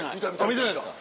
見てないですか？